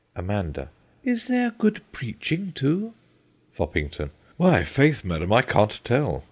AMANDA. Is there good preaching too ? FOPPINGTON. Why, faith, madam, I can't tell.